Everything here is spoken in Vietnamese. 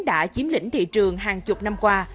đã chiếm lĩnh thị trường hàng chục năm qua